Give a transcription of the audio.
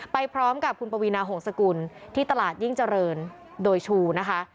ไปพร้อมกับคุณปวีนาหงษกุลที่ตลาดยิ่งเจริญโดยชูนะคะ